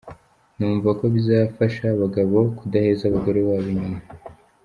Numva ko bizafasha abagabo kudaheza abagore babo inyuma.